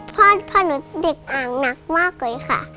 พ่อหนูติดอ่างหนักมากเลยค่ะ